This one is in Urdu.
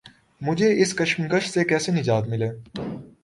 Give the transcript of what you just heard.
مجھے اس کشمکش سے کیسے نجات ملے؟